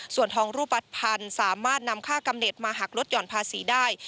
ส่วนทองรูปบัตรพันธุ์สามารถนำค่ากำเน็ตมาหักลดหย่อนภาษีได้